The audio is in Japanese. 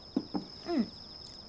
うん。